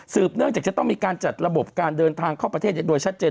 เนื่องจากจะต้องมีการจัดระบบการเดินทางเข้าประเทศโดยชัดเจ